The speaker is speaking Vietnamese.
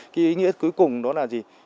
cái ý nghĩa cuối cùng đó là gì